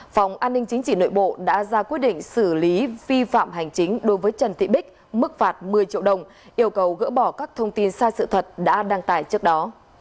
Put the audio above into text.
phòng an ninh chính trị nội bộ đã ra quyết định xử lý vi phạm hành chính đối với trần thị bích mức phạt một mươi triệu đồng yêu cầu gỡ bỏ các thông tin sai sự thật đã đăng tải trước đó